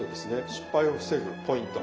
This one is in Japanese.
失敗を防ぐポイント。